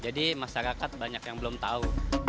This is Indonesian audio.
jadi masyarakat banyak yang belum tahu